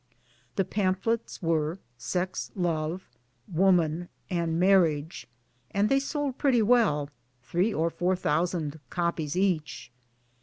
The pamphlets were Sex love, Woman, and Marriage ; and they sold pretty well three or four thousand copies each.